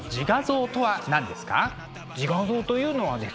自画像というのはですね